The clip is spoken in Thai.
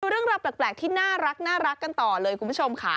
เราเรียกดูเรื่องรับแปลกที่น่ารักกันต่อเลยคุณผู้ชมคะ